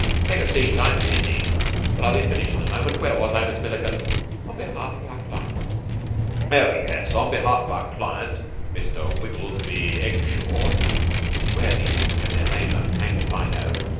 "Take a seat. I'm busy, but I'll be finished in a moment. Where was I, Miss Milliken?" "On behalf of our client...." "Oh, yes. On behalf of our client, Mr. Wibblesley Eggshaw.... Where these people get their names I'm hanged if I know.